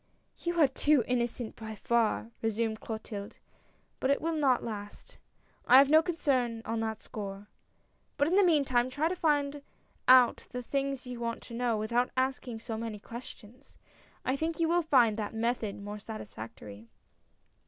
"You are too innocent, by far!" resumed Clotilde, " but it will not last. I have no concern on that score. But in the meantime try to find out the things you want to know without asking so many questions. I think you will find that method more satisfactory.